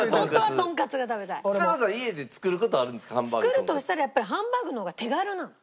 作るとしたらハンバーグの方が手軽なの。